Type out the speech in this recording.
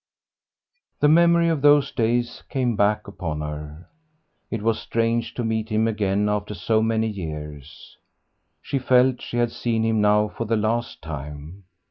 The memory of those days came back upon her. It was strange to meet him again after so many years. She felt she had seen him now for the last time.